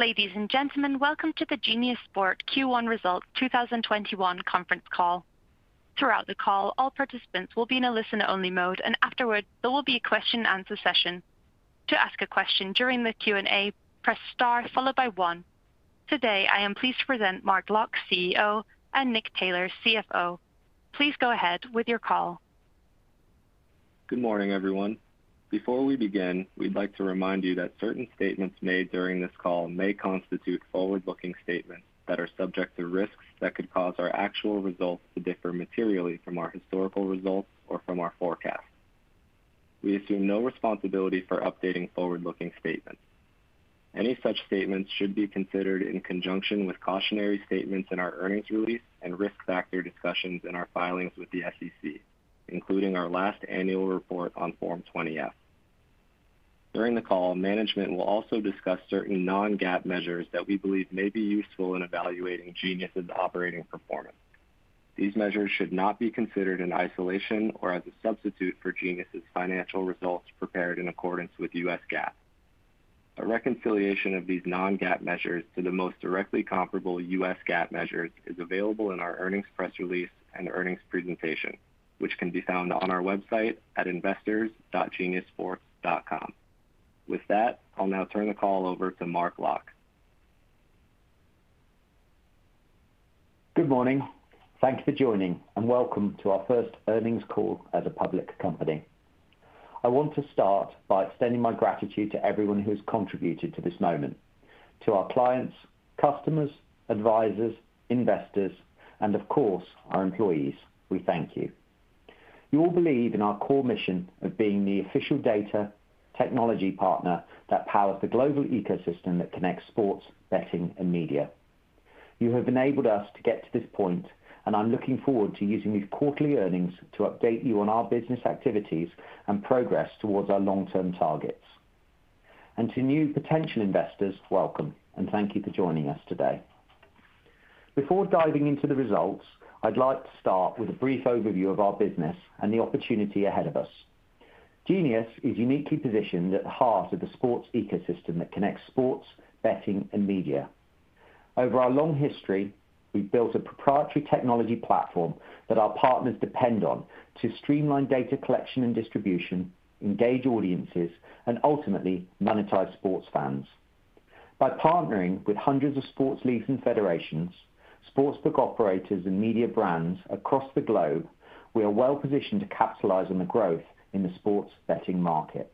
Ladies and gentlemen, welcome to the Genius Sports Q1 Results 2021 conference call. Throughout the call, all participants will be in a listen-only mode, and afterwards there will be a question and answer session. To ask a question during the Q&A, press star followed by one. Today, I am pleased to present Mark Locke, CEO, and Nick Taylor, CFO. Please go ahead with your call. Good morning, everyone. Before we begin, we'd like to remind you that certain statements made during this call may constitute forward-looking statements that are subject to risks that could cause our actual results to differ materially from our historical results or from our forecasts. We assume no responsibility for updating forward-looking statements. Any such statements should be considered in conjunction with cautionary statements in our earnings release and risk factor discussions in our filings with the SEC, including our last annual report on Form 20-F. During the call, management will also discuss certain non-GAAP measures that we believe may be useful in evaluating Genius' operating performance. These measures should not be considered in isolation or as a substitute for Genius' financial results prepared in accordance with US GAAP. A reconciliation of these non-GAAP measures to the most directly comparable US GAAP measures is available in our earnings press release and earnings presentation, which can be found on our website at investors.geniussports.com. With that, I'll now turn the call over to Mark Locke. Good morning. Thanks for joining. Welcome to our first earnings call as a public company. I want to start by extending my gratitude to everyone who has contributed to this moment. To our clients, customers, advisors, investors, and of course, our employees, we thank you. You all believe in our core mission of being the official data technology partner that powers the global ecosystem that connects sports, betting, and media. You have enabled us to get to this point, and I'm looking forward to using these quarterly earnings to update you on our business activities and progress towards our long-term targets. To new potential investors, welcome. Thank you for joining us today. Before diving into the results, I'd like to start with a brief overview of our business and the opportunity ahead of us. Genius is uniquely positioned at the heart of the sports ecosystem that connects sports, betting, and media. Over our long history, we've built a proprietary technology platform that our partners depend on to streamline data collection and distribution, engage audiences, and ultimately monetize sports fans. By partnering with hundreds of sports leagues and federations, sportsbook operators, and media brands across the globe, we are well-positioned to capitalize on the growth in the sports betting market.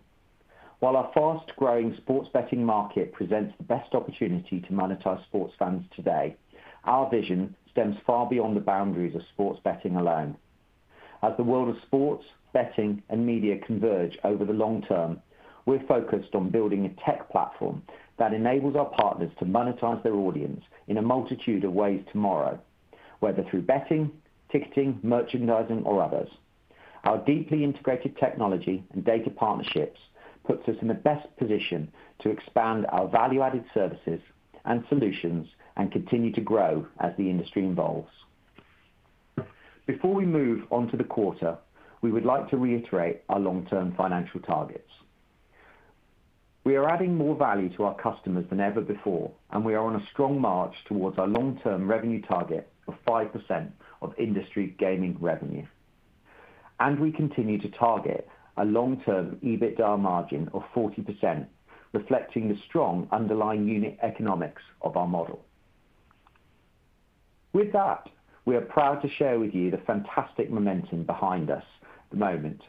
While our fast-growing sports betting market presents the best opportunity to monetize sports fans today, our vision stems far beyond the boundaries of sports betting alone. As the world of sports, betting, and media converge over the long term, we're focused on building a tech platform that enables our partners to monetize their audience in a multitude of ways tomorrow, whether through betting, ticketing, merchandising, or others. Our deeply integrated technology and data partnerships puts us in the best position to expand our value-added services and solutions and continue to grow as the industry evolves. Before we move on to the quarter, we would like to reiterate our long-term financial targets. We are adding more value to our customers than ever before, we are on a strong march towards our long-term revenue target of 5% of industry gaming revenue. We continue to target a long-term EBITDA margin of 40%, reflecting the strong underlying unit economics of our model. With that, we are proud to share with you the fantastic momentum behind us at the moment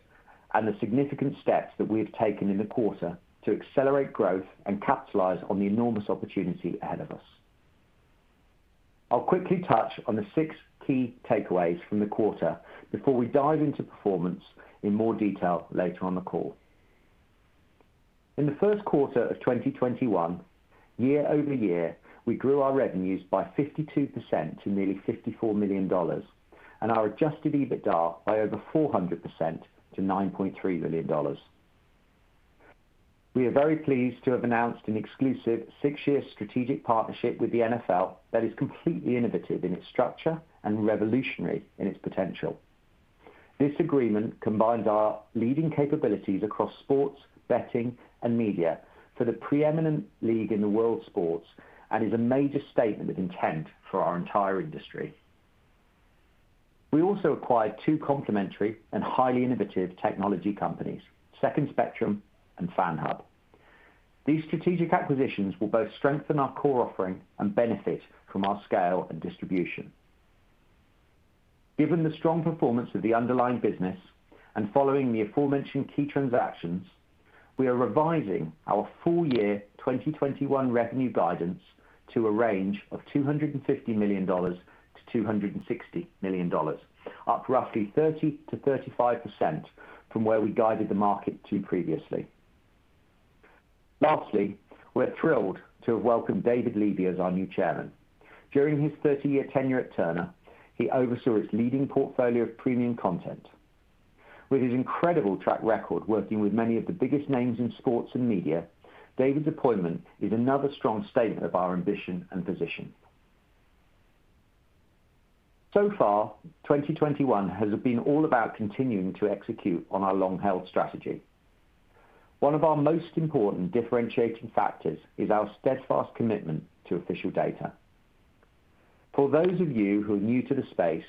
and the significant steps that we have taken in the quarter to accelerate growth and capitalize on the enormous opportunity ahead of us. I'll quickly touch on the six key takeaways from the quarter before we dive into performance in more detail later on the call. In the first quarter of 2021, year-over-year, we grew our revenues by 52% to nearly $54 million and our adjusted EBITDA by over 400% to $9.3 million. We are very pleased to have announced an exclusive six-year strategic partnership with the NFL that is completely innovative in its structure and revolutionary in its potential. This agreement combines our leading capabilities across sports, betting, and media for the preeminent league in world sports and is a major statement of intent for our entire industry. We also acquired two complementary and highly innovative technology companies, Second Spectrum and FanHub. These strategic acquisitions will both strengthen our core offering and benefit from our scale and distribution. Given the strong performance of the underlying business and following the aforementioned key transactions, we are revising our full year 2021 revenue guidance to a range of $250 million-$260 million, up roughly 30%-35% from where we guided the market to previously. We're thrilled to have welcomed David Levy as our new chairman. During his 30-year tenure at Turner, he oversaw its leading portfolio of premium content. With his incredible track record working with many of the biggest names in sports and media, David's appointment is another strong statement of our ambition and position. So far, 2021 has been all about continuing to execute on our long-held strategy. One of our most important differentiating factors is our steadfast commitment to official data. For those of you who are new to the space,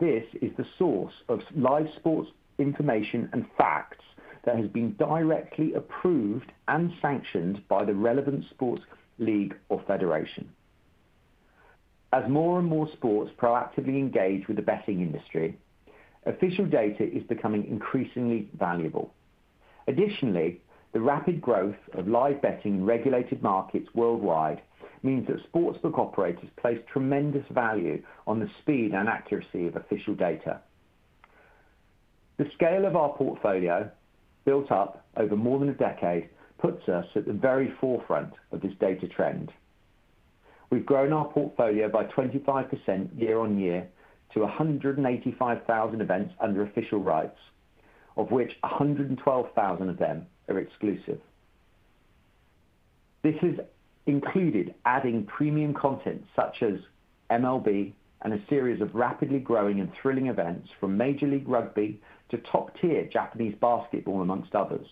this is the source of live sports information and facts that has been directly approved and sanctioned by the relevant sports league or federation. As more and more sports proactively engage with the betting industry, official data is becoming increasingly valuable. Additionally, the rapid growth of live betting in regulated markets worldwide means that sportsbook operators place tremendous value on the speed and accuracy of official data. The scale of our portfolio, built up over more than a decade, puts us at the very forefront of this data trend. We've grown our portfolio by 25% year-on-year to 195,000 events under official rights, of which 112,000 events are exclusive. This has included adding premium content such as MLB and a series of rapidly growing and thrilling events from Major League Rugby to top-tier Japanese basketball, amongst others.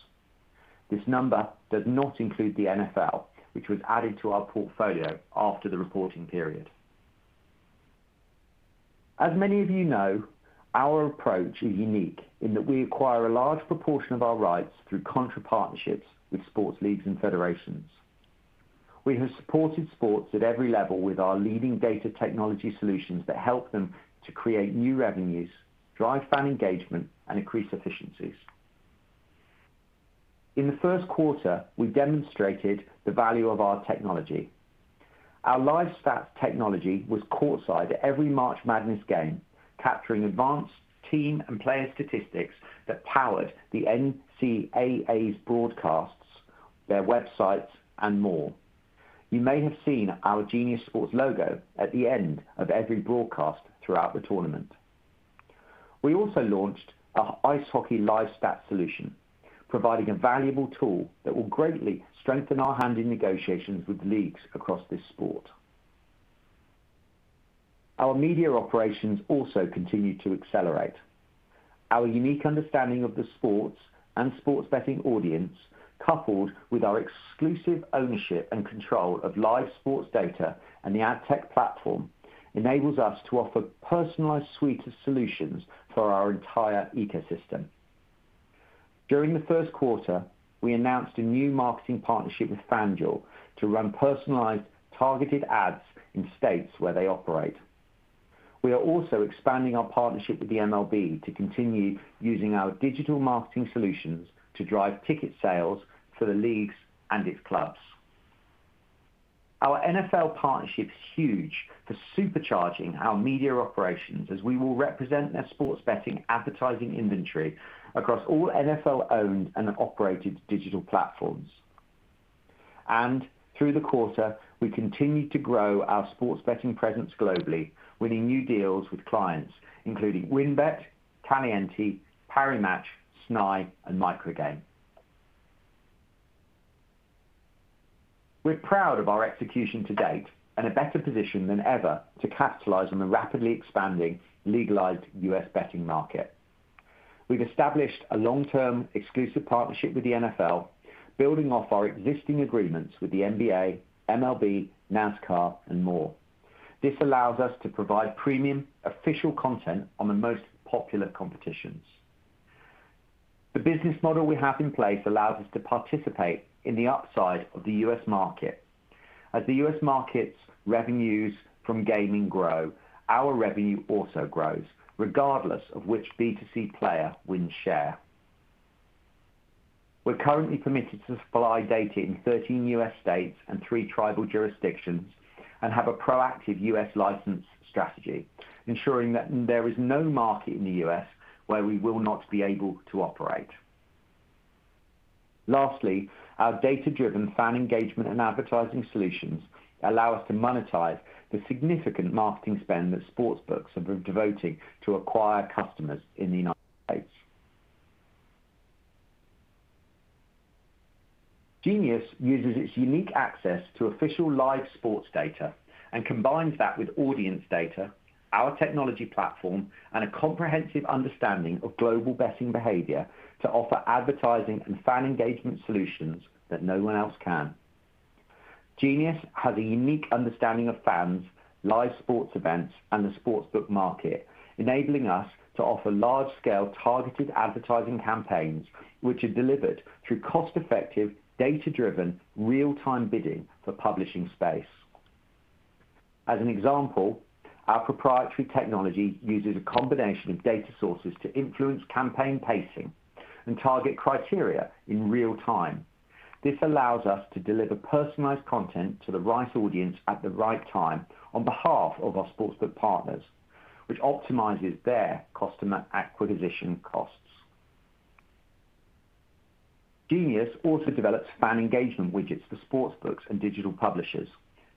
This number does not include the NFL, which was added to our portfolio after the reporting period. As many of you know, our approach is unique in that we acquire a large proportion of our rights through contract partnerships with sports leagues and federations. We have supported sports at every level with our leading data technology solutions that help them to create new revenues, drive fan engagement, and increase efficiencies. In the first quarter, we demonstrated the value of our technology. Our NCAA LiveStats technology was courtside at every March Madness game, capturing advanced team and player statistics that powered the NCAA's broadcasts, their websites, and more. You may have seen our Genius Sports logo at the end of every broadcast throughout the tournament. We also launched our ice hockey NCAA LiveStats solution, providing a valuable tool that will greatly strengthen our hand in negotiations with leagues across this sport. Our media operations also continue to accelerate. Our unique understanding of the sports and sports betting audience, coupled with our exclusive ownership and control of live sports data and the ad tech platform, enables us to offer personalized suites of solutions for our entire ecosystem. During the first quarter, we announced a new marketing partnership with FanDuel to run personalized, targeted ads in states where they operate. We are also expanding our partnership with the MLB to continue using our digital marketing solutions to drive ticket sales for the leagues and its clubs. Our NFL partnership is huge for supercharging our media operations, as we will represent their sports betting advertising inventory across all NFL-owned and -operated digital platforms. Through the quarter, we continued to grow our sports betting presence globally, winning new deals with clients including WINBET, Caliente, Parimatch, Snai, and Microgame. We're proud of our execution to date and in a better position than ever to capitalize on the rapidly expanding legalized U.S. betting market. We've established a long-term exclusive partnership with the NFL, building off our existing agreements with the NBA, MLB, NASCAR, and more. This allows us to provide premium official content on the most popular competitions. The business model we have in place allows us to participate in the upside of the U.S. market. As the U.S. market's revenues from gaming grow, our revenue also grows, regardless of which B2C player wins share. We're currently permitted to supply data in 13 U.S. states and three tribal jurisdictions and have a proactive U.S. license strategy, ensuring that there is no market in the U.S. where we will not be able to operate. Lastly, our data-driven fan engagement and advertising solutions allow us to monetize the significant marketing spend that sportsbooks have been devoting to acquire customers in the United States. Genius uses its unique access to official live sports data and combines that with audience data, our technology platform, and a comprehensive understanding of global betting behavior to offer advertising and fan engagement solutions that no one else can. Genius has a unique understanding of fans, live sports events, and the sportsbook market, enabling us to offer large-scale targeted advertising campaigns, which are delivered through cost-effective, data-driven, real-time bidding for publishing space. As an example, our proprietary technology uses a combination of data sources to influence campaign pacing and target criteria in real time. This allows us to deliver personalized content to the right audience at the right time on behalf of our sportsbook partners, which optimizes their customer acquisition costs. Genius also develops fan engagement widgets for sportsbooks and digital publishers,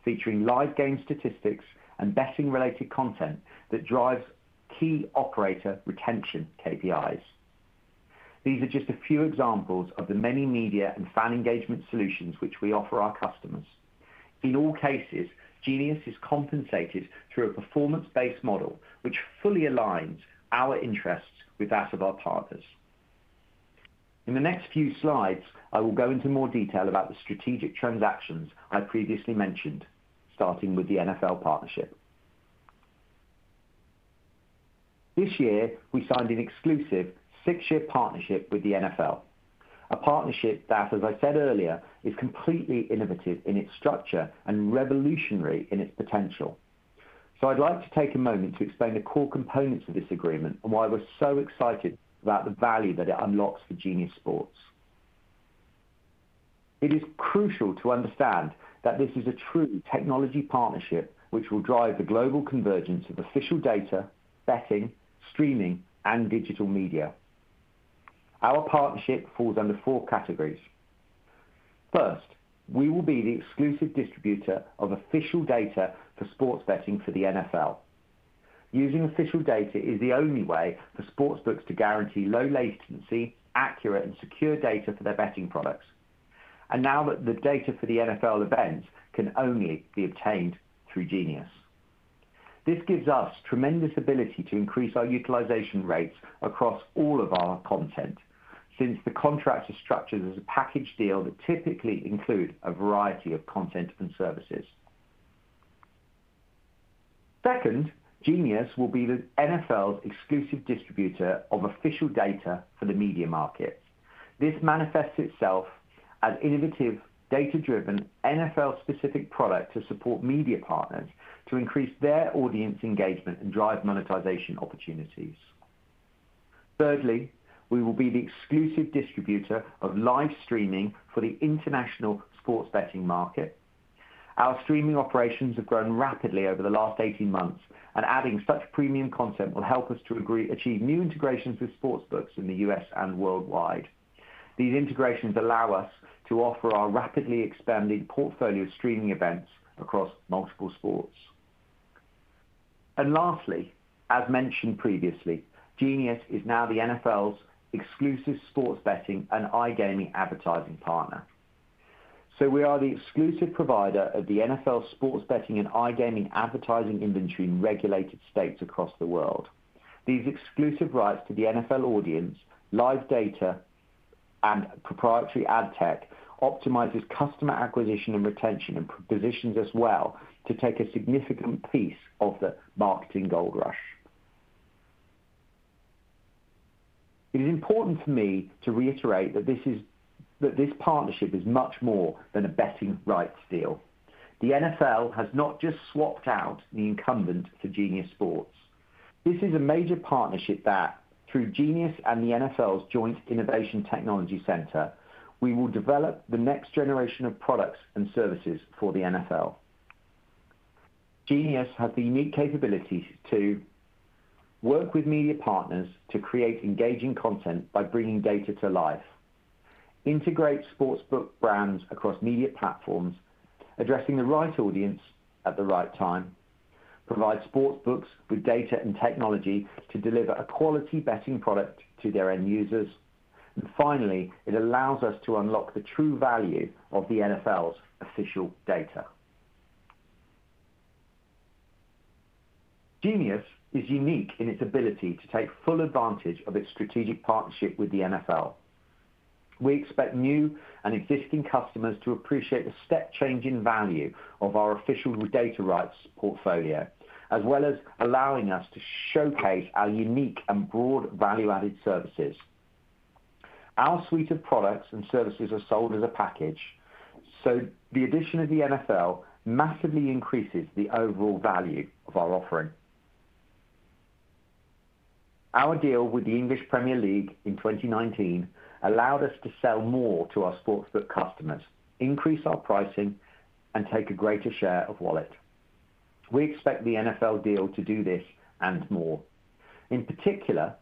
featuring live game statistics and betting-related content that drives key operator retention KPIs. These are just a few examples of the many media and fan engagement solutions which we offer our customers. In all cases, Genius is compensated through a performance-based model, which fully aligns our interests with that of our partners. In the next few slides, I will go into more detail about the strategic transactions I previously mentioned, starting with the NFL partnership. This year, we signed an exclusive six-year partnership with the NFL, a partnership that, as I said earlier, is completely innovative in its structure and revolutionary in its potential. I'd like to take a moment to explain the core components of this agreement and why we're so excited about the value that it unlocks for Genius Sports. It is crucial to understand that this is a true technology partnership which will drive the global convergence of official data, betting, streaming, and digital media. Our partnership falls under four categories. First, we will be the exclusive distributor of official data for sports betting for the NFL. Using official data is the only way for sportsbooks to guarantee low latency, accurate, and secure data for their betting products. Now the data for the NFL events can only be obtained through Genius. This gives us tremendous ability to increase our utilization rates across all of our content, since the contract is structured as a package deal that typically include a variety of content and services. Second, Genius will be the NFL's exclusive distributor of official data for the media market. This manifests itself as an innovative, data-driven, NFL-specific product to support media partners to increase their audience engagement and drive monetization opportunities. Thirdly, we will be the exclusive distributor of live streaming for the international sports betting market. Our streaming operations have grown rapidly over the last 18 months, and adding such premium content will help us to achieve new integrations with sportsbooks in the U.S. and worldwide. These integrations allow us to offer our rapidly expanding portfolio of streaming events across multiple sports. Lastly, as mentioned previously, Genius is now the NFL's exclusive sports betting and iGaming advertising partner. We are the exclusive provider of the NFL sports betting and iGaming advertising inventory in regulated states across the world. These exclusive rights to the NFL audience, live data, and proprietary ad tech optimizes customer acquisition and retention, and positions us well to take a significant piece of the marketing gold rush. It is important for me to reiterate that this partnership is much more than a betting rights deal. The NFL has not just swapped out the incumbent for Genius Sports. This is a major partnership that, through Genius and the NFL's joint Innovation Technology Center, we will develop the next generation of products and services for the NFL. Genius has the unique capabilities to work with media partners to create engaging content by bringing data to life, integrate sportsbook brands across media platforms, addressing the right audience at the right time, provide sportsbooks with data and technology to deliver a quality betting product to their end users, and finally, it allows us to unlock the true value of the NFL's official data. Genius is unique in its ability to take full advantage of its strategic partnership with the NFL. We expect new and existing customers to appreciate the step change in value of our official data rights portfolio, as well as allowing us to showcase our unique and broad value-added services. Our suite of products and services are sold as a package, so the addition of the NFL massively increases the overall value of our offering. Our deal with the English Premier League in 2019 allowed us to sell more to our sportsbook customers, increase our pricing, and take a greater share of wallet. We expect the NFL deal to do this and more. In particular,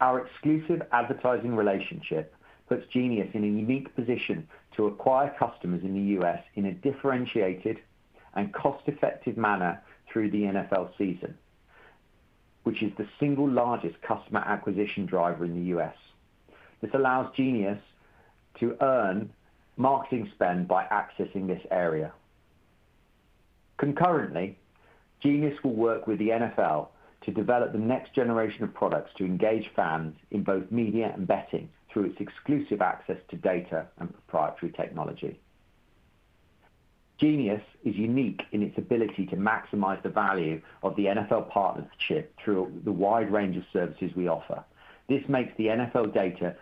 our exclusive advertising relationship puts Genius in a unique position to acquire customers in the U.S. in a differentiated and cost-effective manner through the NFL season, which is the single largest customer acquisition driver in the U.S. This allows Genius to earn marketing spend by accessing this area. Concurrently, Genius will work with the NFL to develop the next generation of products to engage fans in both media and betting through its exclusive access to data and proprietary technology. Genius is unique in its ability to maximize the value of the NFL partnership through the wide range of services we offer. This makes the NFL data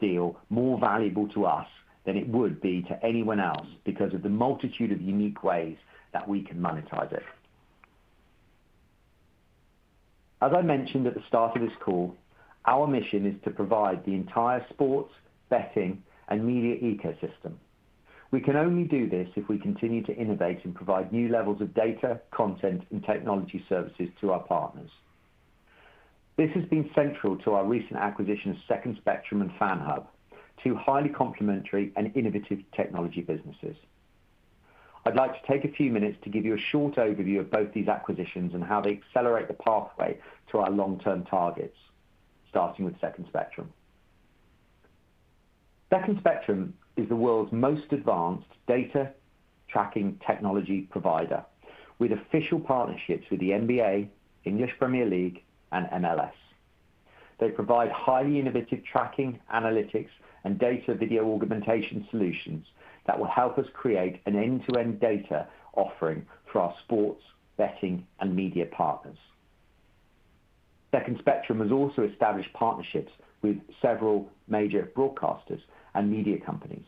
deal more valuable to us than it would be to anyone else because of the multitude of unique ways that we can monetize it. As I mentioned at the start of this call, our mission is to provide the entire sports, betting, and media ecosystem. We can only do this if we continue to innovate and provide new levels of data, content, and technology services to our partners. This has been central to our recent acquisition of Second Spectrum and FanHub, two highly complementary and innovative technology businesses. I'd like to take a few minutes to give you a short overview of both these acquisitions and how they accelerate the pathway to our long-term targets, starting with Second Spectrum. Second Spectrum is the world's most advanced data tracking technology provider, with official partnerships with the NBA, English Premier League, and MLS. They provide highly innovative tracking, analytics, and data video augmentation solutions that will help us create an end-to-end data offering to our sports, betting, and media partners. Second Spectrum has also established partnerships with several major broadcasters and media companies,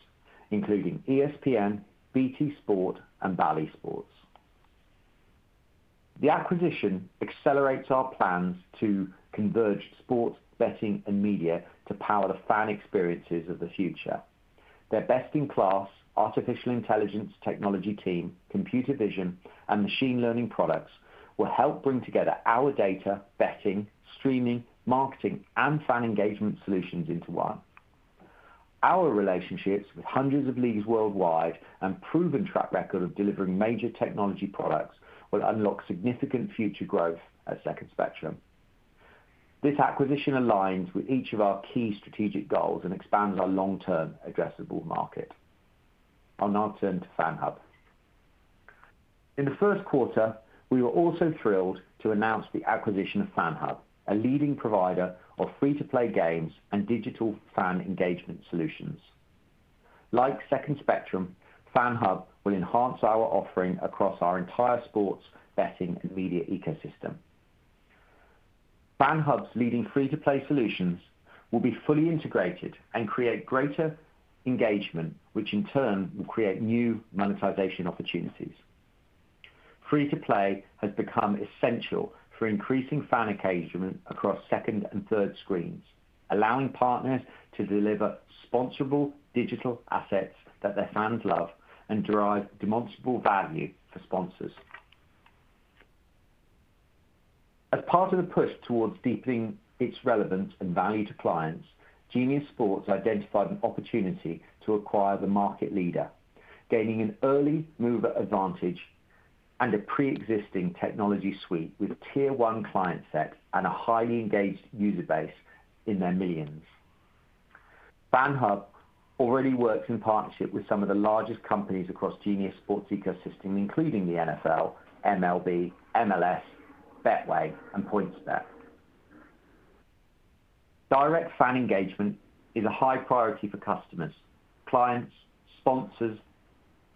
including ESPN, BT Sport, and Bally Sports. The acquisition accelerates our plans to converge sports betting and media to power the fan experiences of the future. Their best-in-class artificial intelligence technology team, computer vision, and machine learning products will help bring together our data, betting, streaming, marketing, and fan engagement solutions into one. Our relationships with hundreds of leagues worldwide and proven track record of delivering major technology products will unlock significant future growth at Second Spectrum. This acquisition aligns with each of our key strategic goals and expands our long-term addressable market. We now turn to FanHub. In the first quarter, we were also thrilled to announce the acquisition of FanHub, a leading provider of free-to-play games and digital fan engagement solutions. Like Second Spectrum, FanHub will enhance our offering across our entire sports betting and media ecosystem. FanHub's leading free-to-play solutions will be fully integrated and create greater engagement, which in turn will create new monetization opportunities. Free-to-play has become essential for increasing fan engagement across second and third screens, allowing partners to deliver sponsorable digital assets that their fans love and derive demonstrable value for sponsors. As part of the push towards deepening its relevance and value to clients, Genius Sports identified an opportunity to acquire the market leader, gaining an early mover advantage and a preexisting technology suite with a tier one client set and a highly engaged user base in their millions. FanHub already works in partnership with some of the largest companies across Genius Sports ecosystem, including the NFL, MLB, MLS, Betway, and PointsBet. Direct fan engagement is a high priority for customers, clients, sponsors,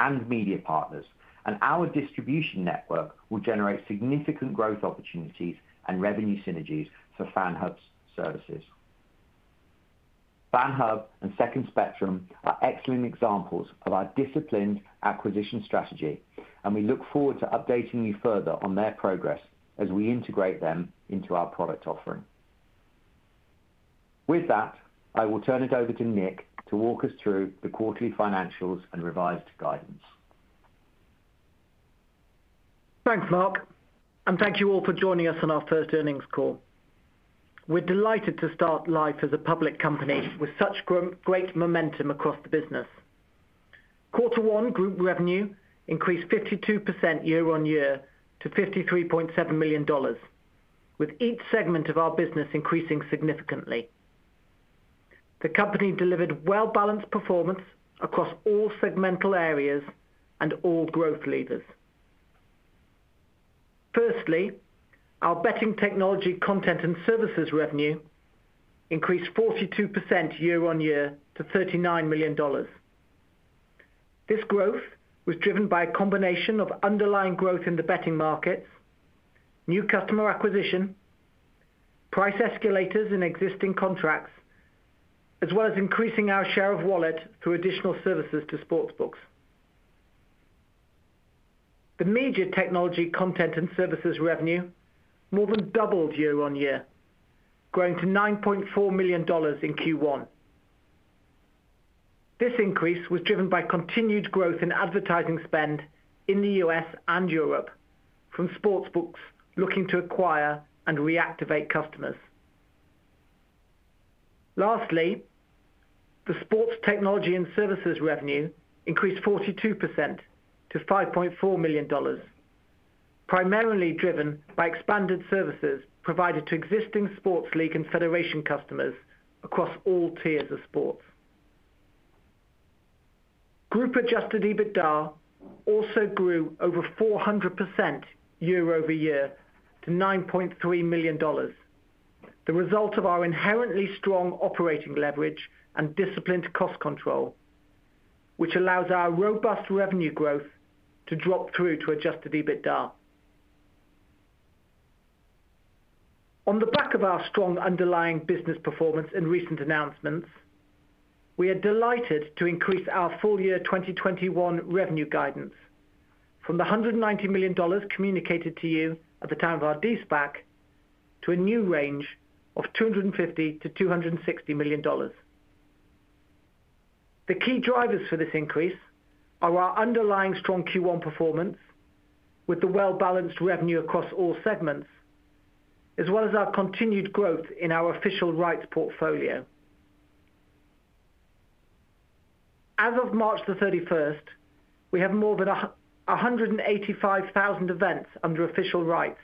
and media partners, and our distribution network will generate significant growth opportunities and revenue synergies for FanHub's services. FanHub and Second Spectrum are excellent examples of our disciplined acquisition strategy, and we look forward to updating you further on their progress as we integrate them into our product offering. With that, I will turn it over to Nick to walk us through the quarterly financials and revised guidance. Thanks, Mark. Thank you all for joining us on our first earnings call. We're delighted to start life as a public company with such great momentum across the business. Quarter one group revenue increased 52% year-on-year to $53.7 million, with each segment of our business increasing significantly. The company delivered well-balanced performance across all segmental areas and all growth levers. Firstly, our Betting Technology Content and Services revenue increased 42% year-on-year to $39 million. This growth was driven by a combination of underlying growth in the betting markets, new customer acquisition, price escalators in existing contracts, as well as increasing our share of wallet through additional services to sportsbooks. The Media Technology Content and Services revenue more than doubled year-on-year, growing to $9.4 million in Q1. This increase was driven by continued growth in advertising spend in the U.S. and Europe from sportsbooks looking to acquire and reactivate customers. Lastly, the sports technology and services revenue increased 42% to $5.4 million, primarily driven by expanded services provided to existing sports league and federation customers across all tiers of sports. Group adjusted EBITDA also grew over 400% year-over-year to $9.3 million, the result of our inherently strong operating leverage and disciplined cost control, which allows our robust revenue growth to drop through to adjusted EBITDA. On the back of our strong underlying business performance and recent announcements, we are delighted to increase our full year 2021 revenue guidance from the $190 million communicated to you at the time of our de-SPAC to a new range of $250 million-$260 million. The key drivers for this increase are our underlying strong Q1 performance with the well-balanced revenue across all segments, as well as our continued growth in our official rights portfolio. As of March 31st, we have more than 185,000 events under official rights,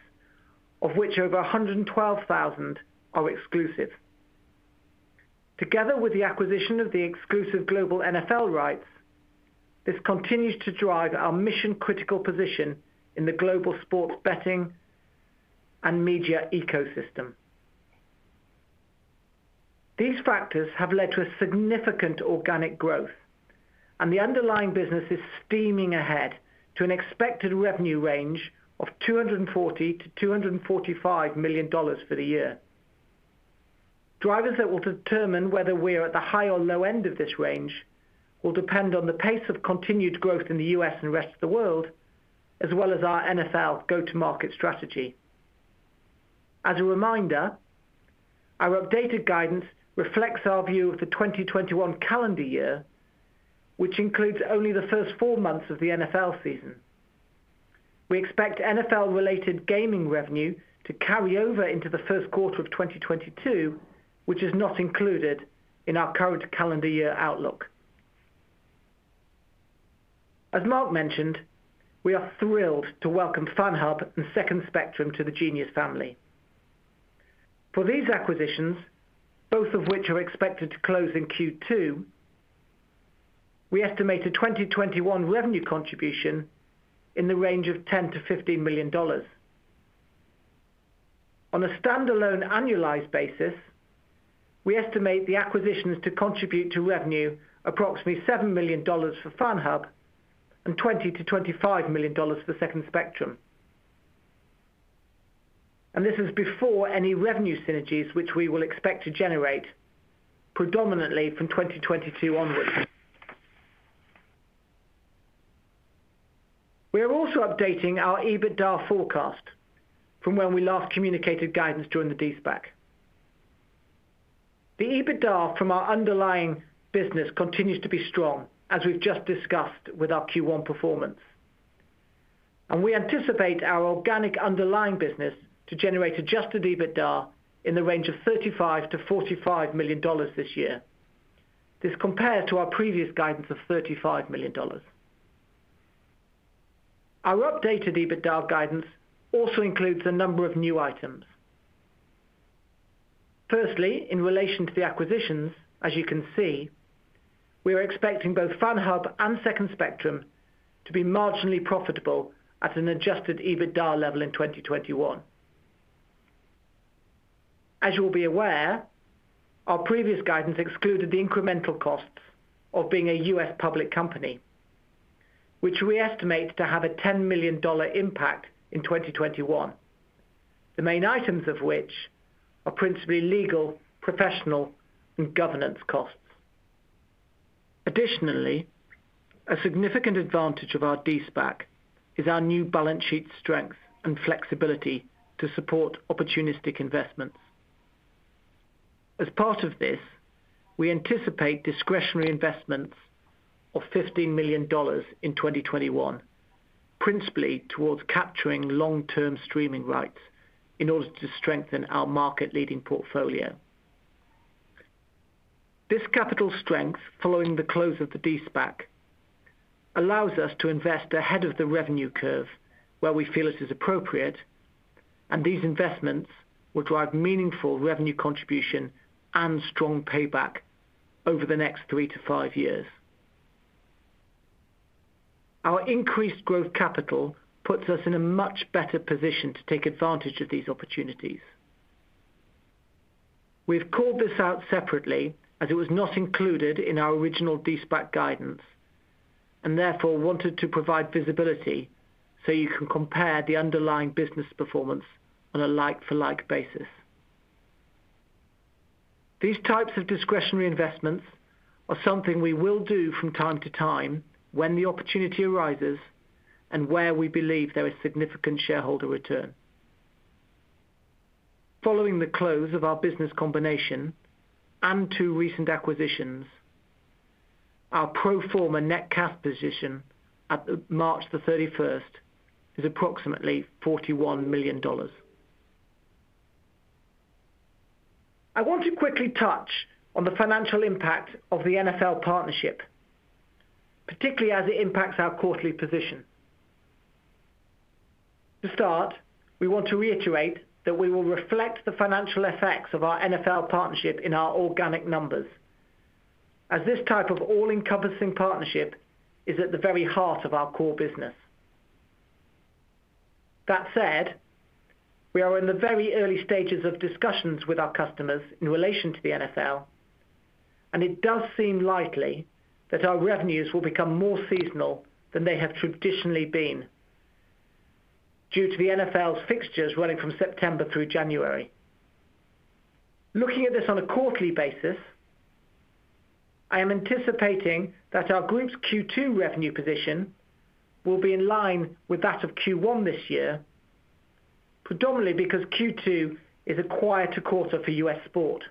of which over 112,000 are exclusive. Together with the acquisition of the exclusive global NFL rights, this continues to drive our mission-critical position in the global sports betting and media ecosystem. These factors have led to a significant organic growth, and the underlying business is steaming ahead to an expected revenue range of $240 million-$245 million for the year. Drivers that will determine whether we are at the high or low end of this range will depend on the pace of continued growth in the U.S. and rest of the world, as well as our NFL go-to-market strategy. As a reminder, our updated guidance reflects our view of the 2021 calendar year, which includes only the first four months of the NFL season. We expect NFL-related gaming revenue to carry over into the first quarter of 2022, which is not included in our current calendar year outlook. As Mark Locke mentioned, we are thrilled to welcome FanHub and Second Spectrum to the Genius family. For these acquisitions, both of which are expected to close in Q2, we estimate a 2021 revenue contribution in the range of $10 million-$15 million. On a standalone annualized basis, we estimate the acquisitions to contribute to revenue approximately $7 million for FanHub and $20 million-$25 million for Second Spectrum. This is before any revenue synergies, which we will expect to generate predominantly from 2022 onwards. We are also updating our EBITDA forecast from when we last communicated guidance during the de-SPAC. The EBITDA from our underlying business continues to be strong, as we've just discussed with our Q1 performance. We anticipate our organic underlying business to generate adjusted EBITDA in the range of $35 million-$45 million this year. This compares to our previous guidance of $35 million. Our updated EBITDA guidance also includes a number of new items. Firstly, in relation to the acquisitions, as you can see, we are expecting both FanHub and Second Spectrum to be marginally profitable at an adjusted EBITDA level in 2021. As you'll be aware, our previous guidance excluded the incremental costs of being a U.S. public company, which we estimate to have a $10 million impact in 2021. The main items of which are principally legal, professional, and governance costs. Additionally, a significant advantage of our de-SPAC is our new balance sheet strength and flexibility to support opportunistic investments. As part of this, we anticipate discretionary investments of $15 million in 2021, principally towards capturing long-term streaming rights in order to strengthen our market-leading portfolio. This capital strength following the close of the de-SPAC allows us to invest ahead of the revenue curve where we feel it is appropriate, and these investments will drive meaningful revenue contribution and strong payback over the next three to five years. Our increased growth capital puts us in a much better position to take advantage of these opportunities. We've called this out separately as it was not included in our original de-SPAC guidance, and therefore wanted to provide visibility so you can compare the underlying business performance on a like-for-like basis. These types of discretionary investments are something we will do from time to time when the opportunity arises and where we believe there is significant shareholder return. Following the close of our business combination and two recent acquisitions, our pro forma net cash position at March 31st is approximately $41 million. I want to quickly touch on the financial impact of the NFL partnership, particularly as it impacts our quarterly position. To start, we want to reiterate that we will reflect the financial effects of our NFL partnership in our organic numbers, as this type of all-encompassing partnership is at the very heart of our core business. That said, we are in the very early stages of discussions with our customers in relation to the NFL, and it does seem likely that our revenues will become more seasonal than they have traditionally been due to the NFL's fixtures running from September through January. Looking at this on a quarterly basis, I am anticipating that our group's Q2 revenue position will be in line with that of Q1 this year, predominantly because Q2 is a quieter quarter for U.S. sport.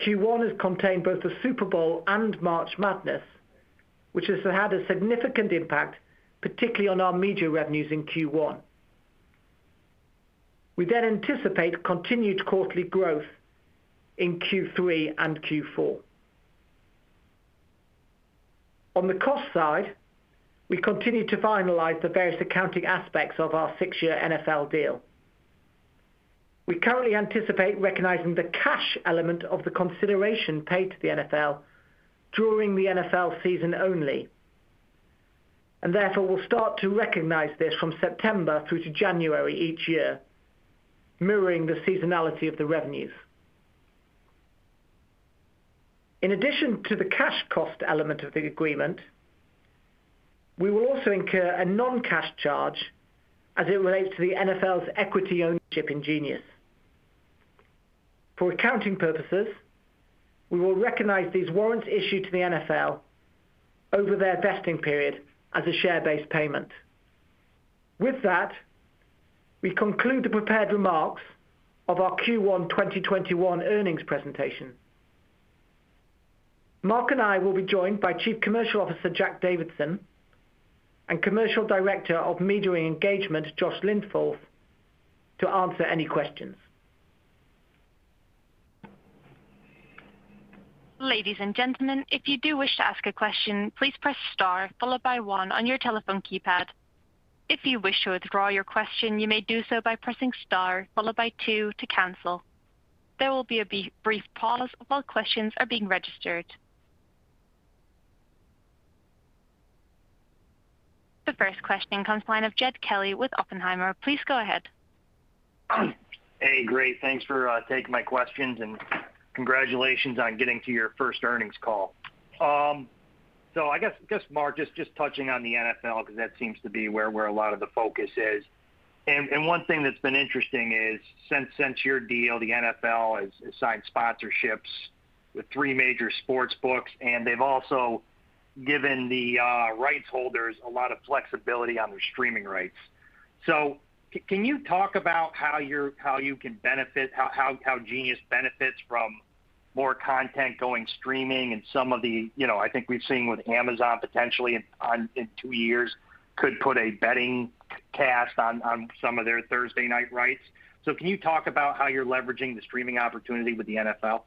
Q1 has contained both the Super Bowl and March Madness, which has had a significant impact, particularly on our media revenues in Q1. We anticipate continued quarterly growth in Q3 and Q4. On the cost side, we continue to finalize the various accounting aspects of our six-year NFL deal. We currently anticipate recognizing the cash element of the consideration paid to the NFL during the NFL season only, and therefore will start to recognize this from September through to January each year, mirroring the seasonality of the revenues. In addition to the cash cost element of the agreement, we will also incur a non-cash charge as it relates to the NFL's equity ownership in Genius. For accounting purposes, we will recognize these warrants issued to the NFL over their vesting period as a share-based payment. With that, we conclude the prepared remarks of our Q1 2021 earnings presentation. Mark and I will be joined by Chief Commercial Officer Jack Davison and Commercial Director of Media and Engagement Josh Linforth to answer any questions. The first question comes line of Jed Kelly with Oppenheimer. Please go ahead. Hey, great. Thanks for taking my questions, and congratulations on getting to your first earnings call. I guess, Mark, just touching on the NFL, because that seems to be where a lot of the focus is. One thing that's been interesting is since your deal, the NFL has signed sponsorships with three major sportsbooks, and they've also given the rights holders a lot of flexibility on their streaming rights. Can you talk about how Genius benefits from more content going streaming and some of the-- I think we've seen with Amazon potentially in two years could put a betting cast on some of their Thursday night right? Can you talk about how you're leveraging the streaming opportunity with the NFL?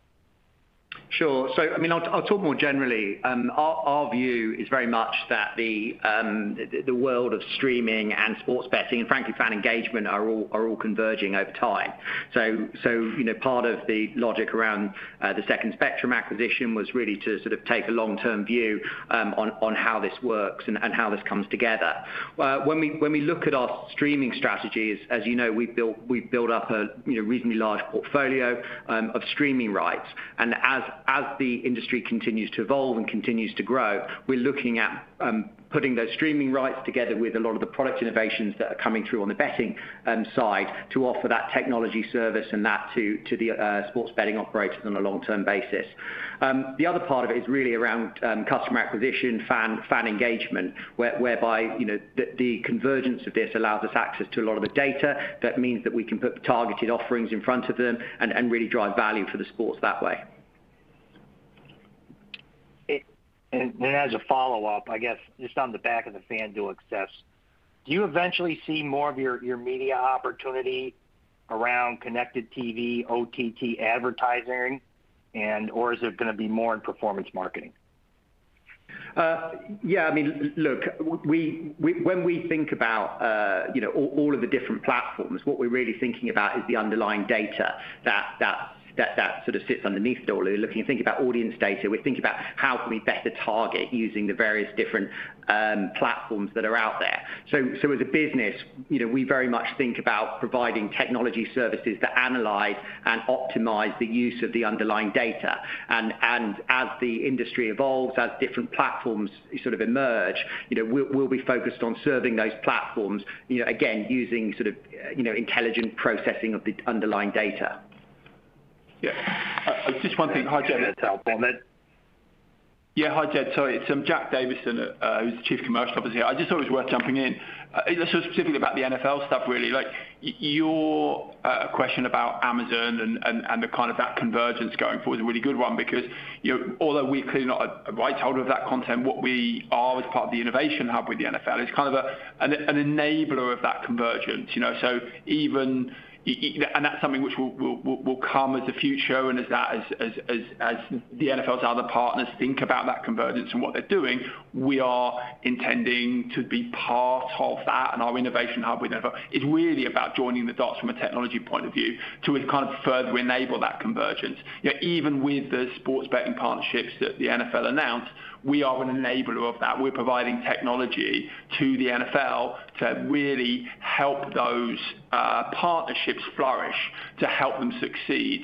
Sure. I'll talk more generally. Our view is very much that the world of streaming and sports betting, and frankly, fan engagement, are all converging over time. Part of the logic around the Second Spectrum acquisition was really to sort of take a long-term view on how this works and how this comes together. When we look at our streaming strategies, as you know, we've built up a reasonably large portfolio of streaming rights. As the industry continues to evolve and continues to grow, we're looking at putting those streaming rights together with a lot of the product innovations that are coming through on the betting side to offer that technology service and that to the sports betting operators on a long-term basis. The other part of it is really around customer acquisition, fan engagement, whereby the convergence of this allows us access to a lot of the data that means that we can put targeted offerings in front of them and really drive value for the sports that way. As a follow-up, I guess just on the back of the FanDuel access, do you eventually see more of your media opportunity around connected TV, OTT advertising and/or is it going to be more in performance marketing? Yeah, when we think about all of the different platforms, what we're really thinking about is the underlying data that sort of sits underneath it all. If you think about audience data, we think about how can we better target using the various different platforms that are out there. As a business, we very much think about providing technology services that analyze and optimize the use of the underlying data. As the industry evolves, as different platforms sort of emerge, we'll be focused on serving those platforms, again, using intelligent processing of the underlying data. Yeah. Just one thing. Hi, Jed. Go ahead. Yeah, hi, Jed. Sorry. It's Jack Davison, Chief Commercial Officer. I just thought it was worth jumping in, just specifically about the NFL stuff, really. Your question about Amazon and kind of that convergence going forward is a really good one because although we're clearly not a rights holder of that content, what we are as part of the innovation hub with the NFL is kind of an enabler of that convergence. That's something which will come as the future and as the NFL's other partners think about that convergence and what they're doing, we are intending to be part of that and our innovation hub with NFL is really about joining the dots from a technology point of view to further enable that convergence. Even with the sports betting partnerships that the NFL announced, we are an enabler of that. We're providing technology to the NFL to really help those partnerships flourish, to help them succeed.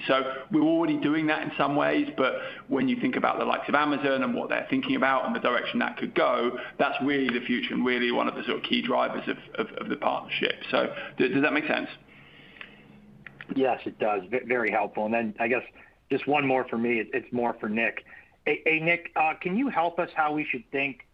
We're already doing that in some ways, but when you think about the likes of Amazon and what they're thinking about and the direction that could go, that's really the future and really one of the sort of key drivers of the partnership. Does that make sense? Yes, it does. Very helpful. I guess just one more from me. It's more for Nick. Hey, Nick, can you help us how we should think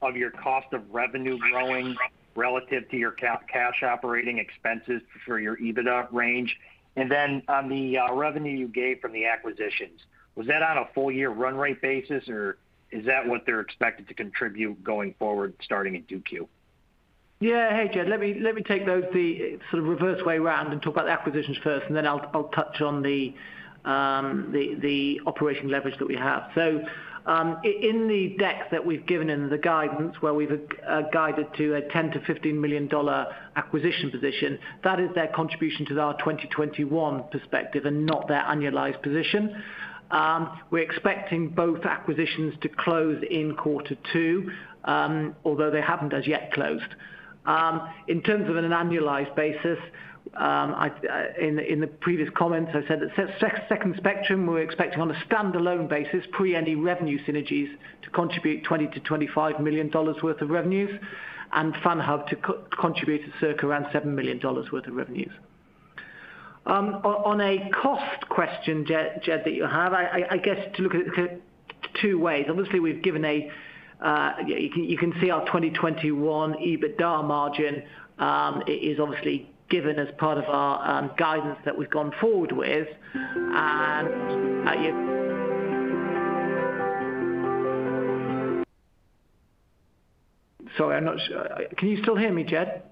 of your cost of revenue growing relative to your cash operating expenses for your EBITDA range? On the revenue you gave from the acquisitions, was that on a full year run rate basis, or is that what they're expected to contribute going forward starting in 2Q? Hey, Jed, let me take those the reverse way around and talk about acquisitions first, and then I'll touch on the operational leverage that we have. In the deck that we've given in the guidance, where we've guided to a $10 million-$15 million acquisition position, that is their contribution to our 2021 perspective and not their annualized position. We're expecting both acquisitions to close in quarter two, although they haven't as yet closed. In terms of an annualized basis, in the previous comments, I said that Second Spectrum, we're expecting on a standalone basis, pre any revenue synergies, to contribute $20 million-$25 million worth of revenues, and FanHub to contribute circa around $7 million worth of revenues. On a cost question, Jed, that you have, I guess to look at it two ways. Obviously, you can see our 2021 EBITDA margin, it is obviously given as part of our guidance that we've gone forward with. Sorry, I'm not sure. Can you still hear me, Jed?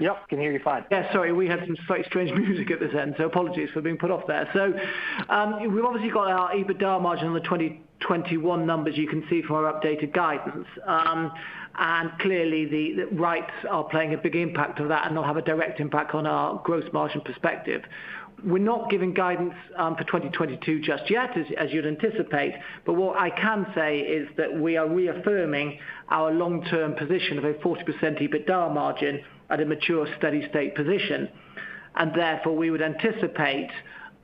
Yep, can hear you fine. Sorry, we had some strange music at the end, apologies for being put off there. We've obviously got our EBITDA margin on the 2021 numbers you can see from our updated guidance. Clearly, the rights are playing a big impact of that, and they'll have a direct impact on our gross margin perspective. We're not giving guidance for 2022 just yet, as you'd anticipate. What I can say is that we are reaffirming our long-term position of a 40% EBITDA margin at a mature, steady state position. Therefore, we would anticipate,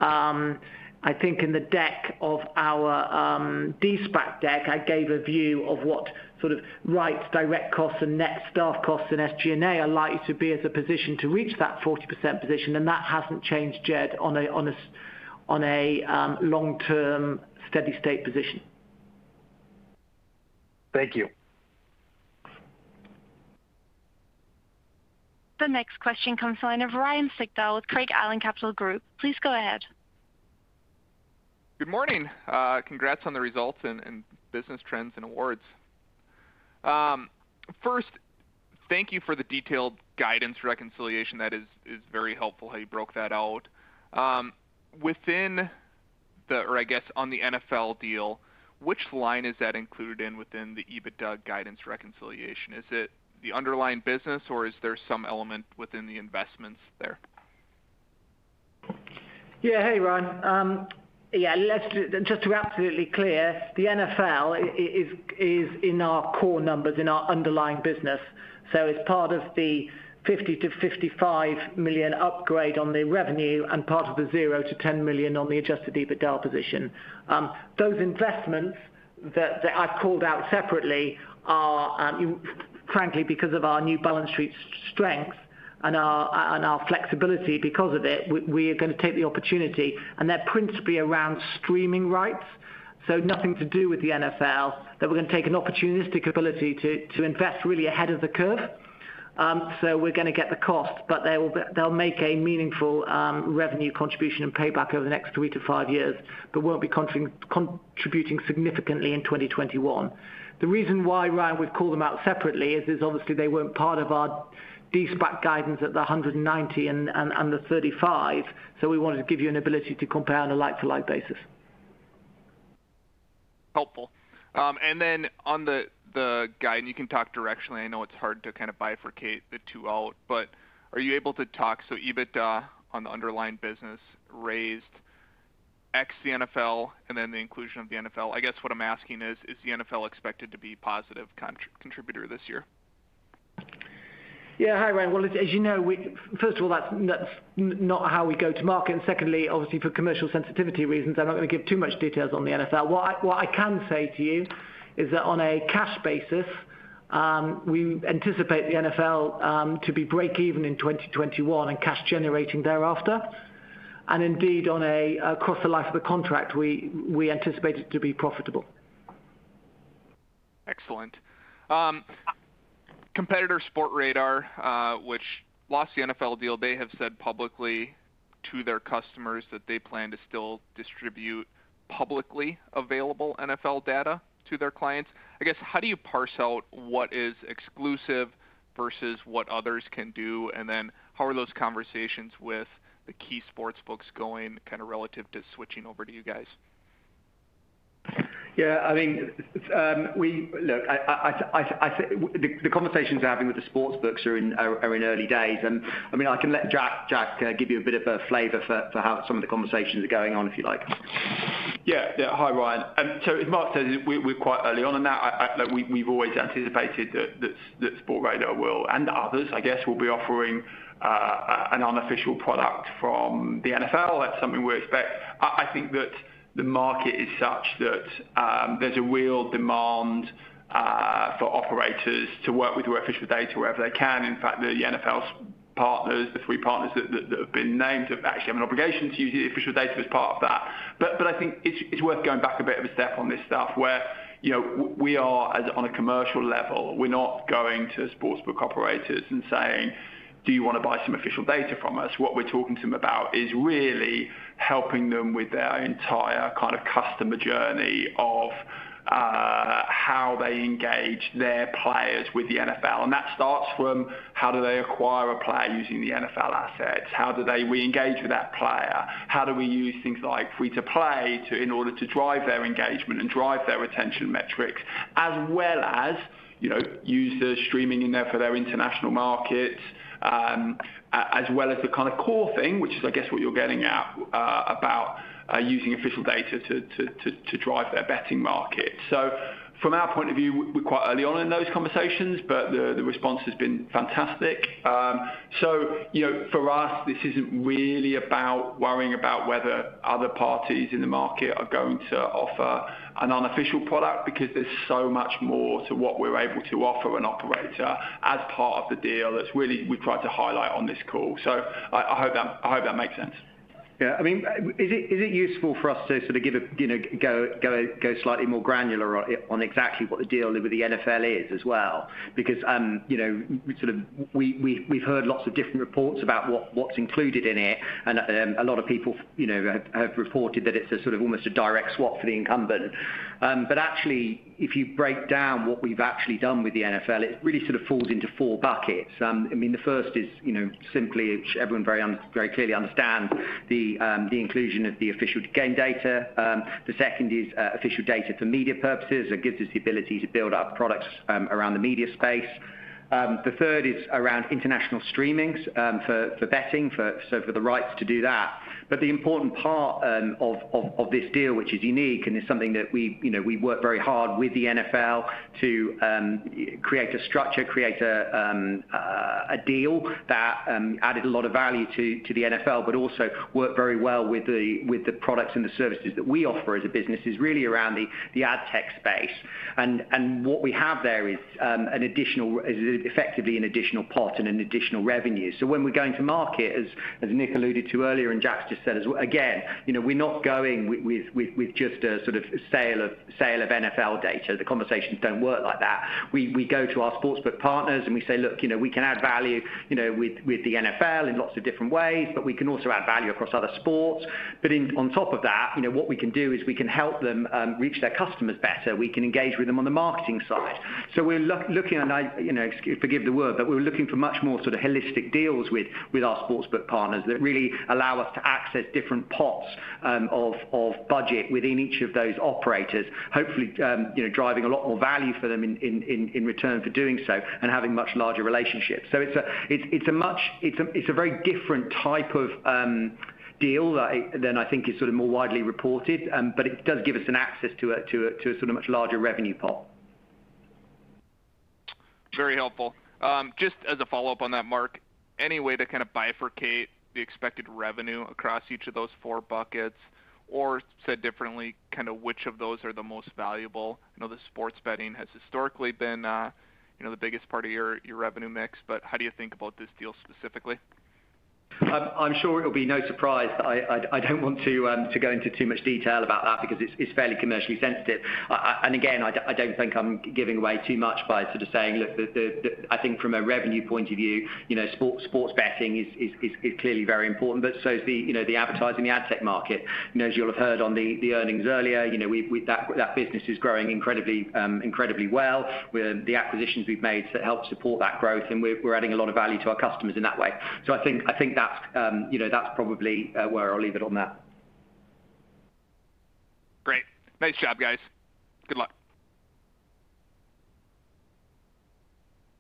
I think in the deck of our de-SPAC deck, I gave a view of what sort of rights direct costs and net staff costs and SG&A are likely to be as a position to reach that 40% position, and that hasn't changed, Jed, on a long-term, steady-state position. Thank you. The next question comes the line of Ryan Sigdahl with Craig-Hallum Capital Group. Please go ahead. Good morning. Congrats on the results and business trends and awards. First, thank you for the detailed guidance reconciliation. That is very helpful how you broke that out. I guess on the NFL deal, which line is that included in within the EBITDA guidance reconciliation? Is it the underlying business, or is there some element within the investments there? Hey, Ryan. Just to be absolutely clear, the NFL is in our core numbers, in our underlying business. It's part of the $50 million-$55 million upgrade on the revenue and part of the $0-$10 million on the adjusted EBITDA position. Those investments that I called out separately are, frankly, because of our new balance sheet strength and our flexibility because of it, we are going to take the opportunity, and they're principally around streaming rights, so nothing to do with the NFL, that we're going to take an opportunistic ability to invest really ahead of the curve. We're going to get the cost, but they'll make a meaningful revenue contribution and payback over the next three to five years, but won't be contributing significantly in 2021. The reason why, Ryan, we call them out separately is obviously they weren't part of our de-SPAC guidance at $190 and $35, so we wanted to give you an ability to compare on a like-to-like basis. Helpful. On the guide, you can talk directionally. I know it's hard to kind of bifurcate the two out, are you able to talk, so EBITDA on the underlying business raised ex the NFL and then the inclusion of the NFL. I guess what I'm asking is the NFL expected to be a positive contributor this year? Yeah. Hi, Ryan. As you know, first of all, that's not how we go to market, and secondly, obviously, for commercial sensitivity reasons, I don't want give too much details on the NFL. What I can say to you is that on a cash basis, we anticipate the NFL to be break-even in 2021 and cash generating thereafter, and indeed, across the life of the contract, we anticipate it to be profitable. Excellent. Competitor Sportradar, which lost the NFL deal, they have said publicly to their customers that they plan to still distribute publicly available NFL data to their clients. I guess, how do you parse out what is exclusive versus what others can do, and then how are those conversations with the key sportsbooks going kind of relative to switching over to you guys? Look, the conversations we're having with the sportsbooks are in early days, and I can let Jack kind of give you a bit of a flavor for how some of the conversations are going on, if you like. Yeah. Hi, Ryan. As Mark says, we're quite early on, and we've always anticipated that Sportradar will, and others, I guess, will be offering an unofficial product from the NFL. That's something we expect. I think that the market is such that there's a real demand for operators to work with official data wherever they can. In fact, the NFL's partners, the three partners that have been named, have actually an obligation to use the official data as part of that. I think it's worth going back a bit of a step on this stuff where we are on a commercial level. We're not going to sportsbook operators and saying Do you want to buy some official data from us? What we're talking to them about is really helping them with their entire customer journey of how they engage their players with the NFL. That starts from how do they acquire a player using the NFL assets? How do they reengage with that player? How do we use things like free-to-play in order to drive their engagement and drive their retention metrics, as well as user streaming for their international markets, as well as the kind of core thing, which is I guess what you're getting at, about using official data to drive their betting market. From our point of view, we're quite early on in those conversations, but the response has been fantastic. For us, this isn't really about worrying about whether other parties in the market are going to offer an unofficial product because there's so much more to what we're able to offer an operator as part of the deal that we tried to highlight on this call. I hope that makes sense. Yeah, is it useful for us to sort of go slightly more granular on exactly what the deal with the NFL is as well? We've heard lots of different reports about what's included in it, and a lot of people have reported that it's almost a direct swap for the incumbent. Actually, if you break down what we've actually done with the NFL, it really sort of falls into four buckets. The first is simply, which everyone very clearly understands, the inclusion of the official game data. The second is official data for media purposes. It gives us the ability to build out products around the media space. The third is around international streaming for betting, so for the rights to do that. The important part of this deal, which is unique and is something that we've worked very hard with the NFL to create a structure, create a deal that added a lot of value to the NFL, but also worked very well with the products and the services that we offer as a business, is really around the ad tech space. What we have there is effectively an additional pot and an additional revenue. When we're going to market, as Nick alluded to earlier, and Jack's just said as well, again, we're not going with just a sort of sale of NFL data. The conversations don't work like that. We go to our sportsbook partners, we say, "Look, we can add value with the NFL in lots of different ways, but we can also add value across other sports." On top of that, what we can do is we can help them reach their customers better. We can engage with them on the marketing side. We're looking, and forgive the word, but we're looking for much more sort of holistic deals with our sportsbook partners that really allow us to access different pots of budget within each of those operators, hopefully, driving a lot more value for them in return for doing so and having much larger relationships. It's a very different type of deal than I think is more widely reported, but it does give us an access to a much larger revenue pot. Very helpful. Just as a follow-up on that, Mark, any way to kind of bifurcate the expected revenue across each of those four buckets? Said differently, kind of which of those are the most valuable? I know the sports betting has historically been the biggest part of your revenue mix, but how do you think about this deal specifically? I'm sure it'll be no surprise. I don't want to go into too much detail about that because it's fairly commercially sensitive. Again, I don't think I'm giving away too much by sort of saying, look, I think from a revenue point of view, sports betting is clearly very important, but so is the advertising ad tech market. As you'll have heard on the earnings earlier, that business is growing incredibly well with the acquisitions we've made to help support that growth, and we're adding a lot of value to our customers in that way. I think that's probably where I'll leave it on that. Great. Thanks you, guys. Good luck.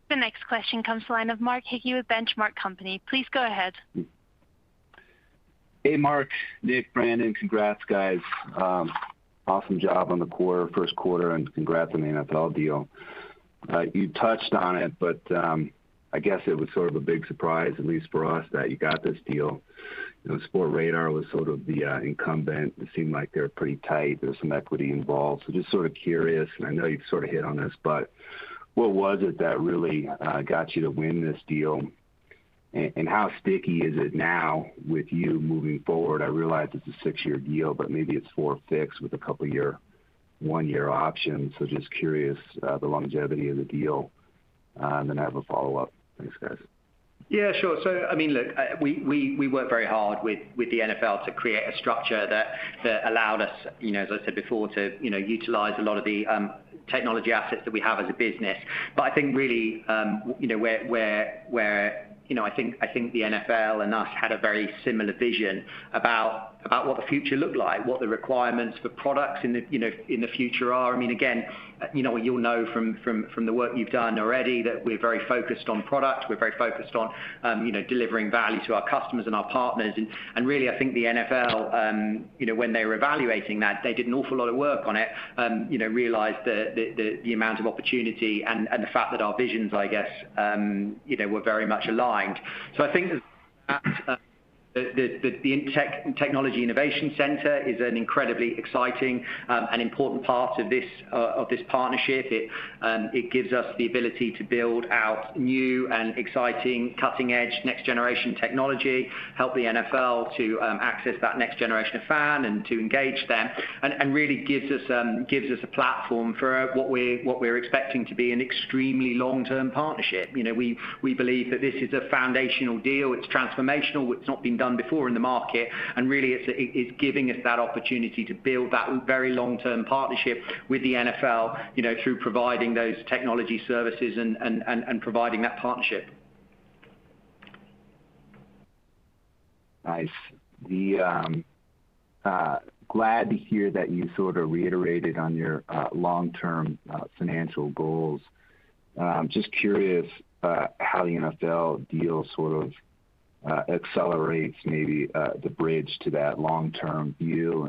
The next question comes from the line of Mike Hickey with The Benchmark Company. Please go ahead. Hey, Mark, Nick, Brandon. Congrats, guys. Awesome job on the first quarter. Congrats on the NFL deal. You touched on it. I guess it was sort of a big surprise, at least for us, that you got this deal. Sportradar was sort of the incumbent. It seemed like they were pretty tight. There's some equity involved. Just sort of curious, and I know you've sort of hit on this, but what was it that really got you to win this deal, and how sticky is it now with you moving forward? I realize it's a six-year deal, but maybe it's four fixed with a couple of year, one-year options. Just curious the longevity of the deal. I have a follow-up. Thanks, guys. Yeah Sure. Look, we worked very hard with the NFL to create a structure that allowed us, as I said before, to utilize a lot of the technology assets that we have as a business. I think really where I think the NFL and us had a very similar vision about what the future looked like, what the requirements for products in the future are. You'll know from the work you've done already that we're very focused on product, we're very focused on delivering value to our customers and our partners. Really, I think the NFL, when they were evaluating that, they did an awful lot of work on it, realized the amount of opportunity and the fact that our visions, I guess, were very much aligned. I think that the Innovation Technology Center is an incredibly exciting and important part of this partnership. It gives us the ability to build out new and exciting, cutting-edge, next-generation technology, help the NFL to access that next generation of fan and to engage them, and really gives us a platform for what we're expecting to be an extremely long-term partnership. We believe that this is a foundational deal. It's transformational. It's not been done before in the market. Really, it's giving us that opportunity to build that very long-term partnership with the NFL through providing those technology services and providing that partnership. Nice. Glad to hear that you sort of reiterated on your long-term financial goals. Just curious how the NFL deal sort of accelerates maybe the bridge to that long-term view.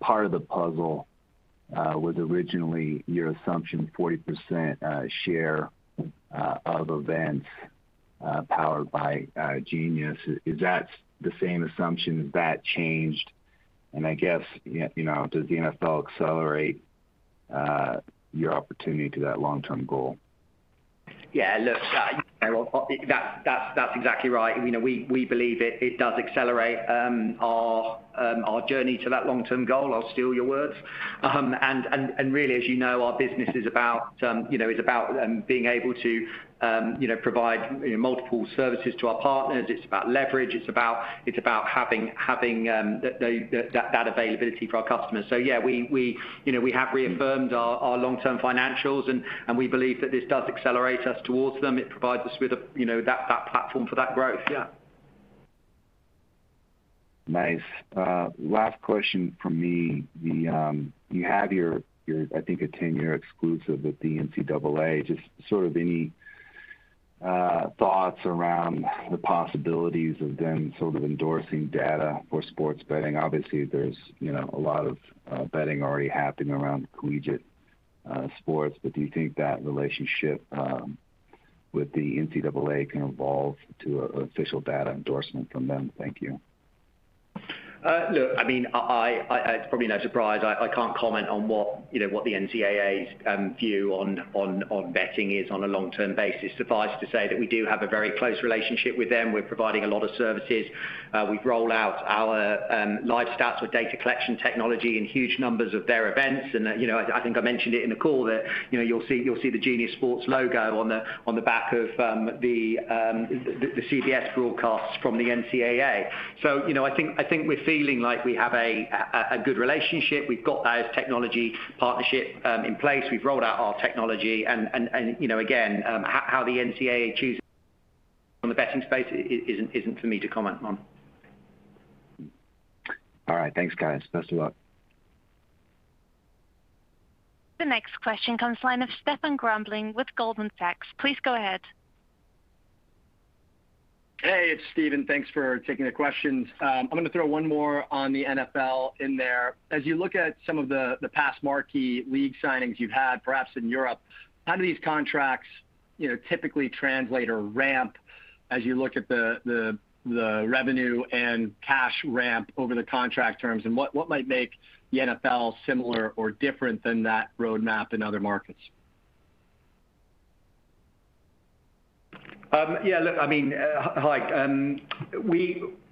Part of the puzzle was originally your assumption, 40% share of events powered by Genius. Is that the same assumption? Has that changed? I guess, does the NFL accelerate your opportunity to that long-term goal? Yeah, look, that's exactly right. We believe it does accelerate our journey to that long-term goal. I'll steal your words. Really, as you know, our business is about being able to provide multiple services to our partners. It's about leverage. It's about having that availability for our customers. Yeah, we have reaffirmed our long-term financials, and we believe that this does accelerate us towards them. It provides us with that platform for that growth. Yeah. Nice. Last question from me. You have your, I think, a 10-year exclusive with the NCAA. Just any thoughts around the possibilities of them sort of endorsing data for sports betting? Obviously, there's a lot of betting already happening around collegiate sports. Do you think that relationship with the NCAA can evolve to an official data endorsement from them? Thank you. Look, it's probably no surprise, I can't comment on what the NCAA's view on betting is on a long-term basis. Suffice to say that we do have a very close relationship with them. We're providing a lot of services. We've rolled out our LiveStats or data collection technology in huge numbers of their events. I think I mentioned it in the call that you'll see the Genius Sports logo on the back of the CBS broadcasts from the NCAA. I think we're feeling like we have a good relationship. We've got that technology partnership in place. We've rolled out our technology. Again, how the NCAA chooses on the betting space isn't for me to comment on. All right. Thanks, guys. Best of luck. The next question comes from line of Stephen Grambling with Goldman Sachs. Please go ahead. Hey, it's Stephen. Thanks for taking the questions. I'm going to throw one more on the NFL in there. As you look at some of the past marquee league signings you've had, perhaps in Europe, how do these contracts typically translate or ramp as you look at the revenue and cash ramp over the contract terms? What might make the NFL similar or different than that roadmap in other markets? I mean, hi.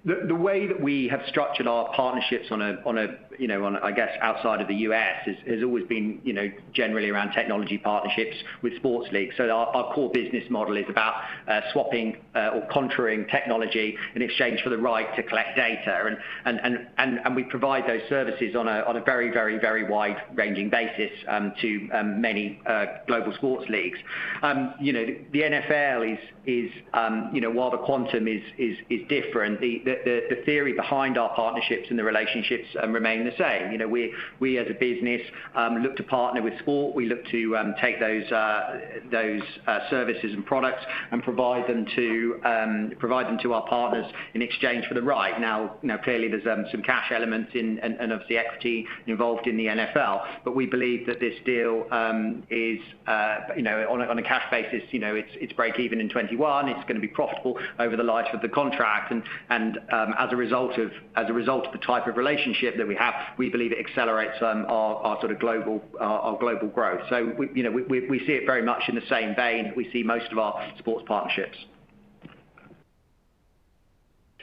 The way that we have structured our partnerships on a, I guess, outside of the U.S., has always been generally around technology partnerships with sports leagues. Our core business model is about swapping or controlling technology in exchange for the right to collect data. We provide those services on a very wide-ranging basis to many global sports leagues. The NFL is, while the quantum is different, the theory behind our partnerships and the relationships remain the same. We, as a business, look to partner with sport. We look to take those services and products and provide them to our partners in exchange for the right. Clearly, there's some cash elements and obviously equity involved in the NFL. We believe that this deal is, on a cash basis it's breakeven in 2021. It's going to be profitable over the life of the contract. As a result of the type of relationship that we have, we believe it accelerates our sort of global growth. We see it very much in the same vein we see most of our sports partnerships.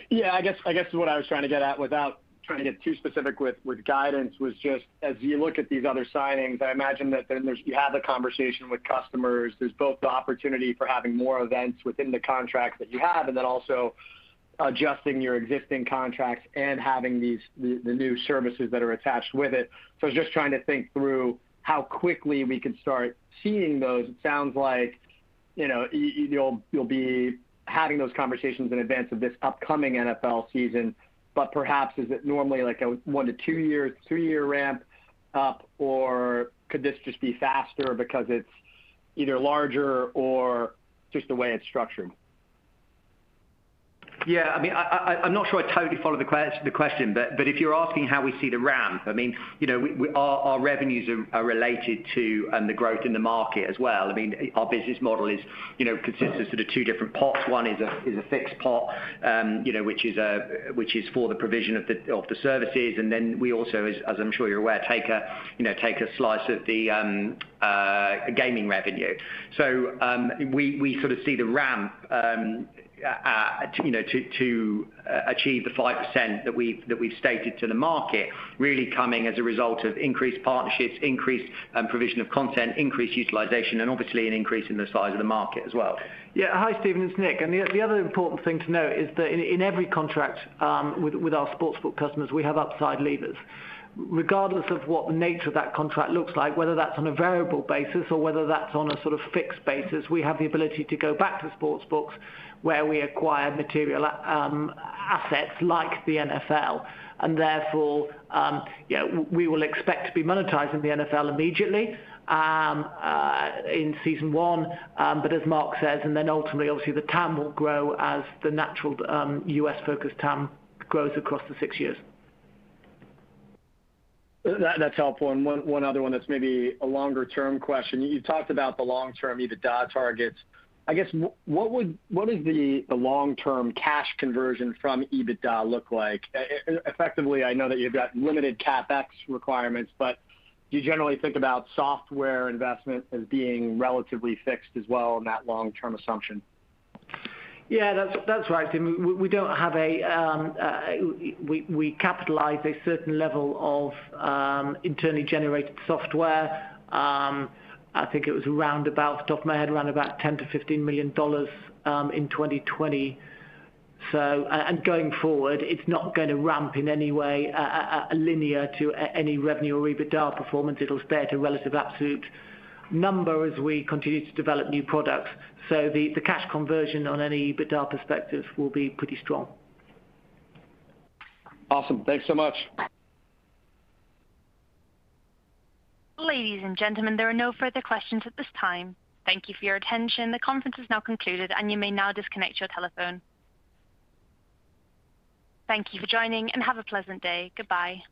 Yeah, I guess what I was trying to get at without trying to get too specific with guidance was just as you look at these other signings, I imagine that then you have the conversation with customers. There's both the opportunity for having more events within the contracts that you have and then also adjusting your existing contracts and having the new services that are attached with it. Just trying to think through how quickly we could start seeing those. It sounds like you'll be having those conversations in advance of this upcoming NFL season. Perhaps is it normally like a one to two years, three-year ramp up? Could this just be faster because it's either larger or just the way it's structured? Yeah, I'm not sure I totally follow the question. If you're asking how we see the ramp, our revenues are related to the growth in the market as well. Our business model consists of sort of two different pots. One is a fixed pot which is for the provision of the services. We also, as I'm sure you're aware, take a slice of the gaming revenue. We sort of see the ramp to achieve the 5% that we've stated to the market really coming as a result of increased partnerships, increased provision of content, increased utilization, and obviously an increase in the size of the market as well. Yeah. Hi, Stephen. It's Nick. The other important thing to note is that in every contract with our sportsbook customers, we have upside levers. Regardless of what the nature of that contract looks like, whether that's on a variable basis or whether that's on a sort of fixed basis, we have the ability to go back to sportsbooks where we acquire material assets like the NFL. Therefore, we will expect to be monetizing the NFL immediately in season one. As Mark says, and then ultimately, obviously, the TAM will grow as the natural U.S.-focused TAM grows across the six years. That's helpful. One other one that's maybe a longer-term question. You talked about the long-term EBITDA targets. I guess what would the long-term cash conversion from EBITDA look like? Effectively, I know that you've got limited CapEx requirements, but do you generally think about software investments as being relatively fixed as well in that long-term assumption? Yeah, that's right. We capitalize a certain level of internally generated software. I think it was off my head, around $10 million-$15 million in 2020. Going forward, it's not going to ramp in any way linear to any revenue or EBITDA performance. It'll stay at a relative absolute number as we continue to develop new products. The cash conversion on any EBITDA perspective will be pretty strong. Awesome. Thanks so much. Ladies and gentlemen, there are no further questions at this time. Thank you for your attention. The conference is now concluded, and you may now disconnect your telephone. Thank you for joining, and have a pleasant day. Goodbye.